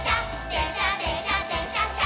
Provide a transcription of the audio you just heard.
「でんしゃでんしゃでんしゃっしゃ」